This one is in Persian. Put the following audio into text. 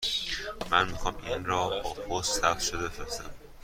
من می خواهم این را با پست ثبت شده بفرستم.